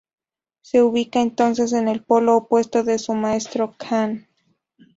Se ubica entonces en el polo opuesto de su maestro Kahn.